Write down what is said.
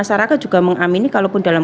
masyarakat juga mengamini kalaupun dalam